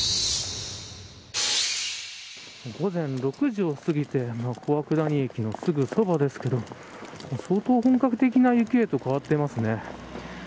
午前６時を過ぎて小涌谷駅のすぐそばですが相当、本格的な雪へと変わっていますね。